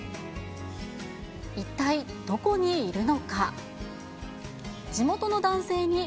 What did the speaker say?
一体、どこにいるのか。